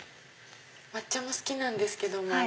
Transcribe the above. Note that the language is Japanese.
抹茶も好きなんですけども。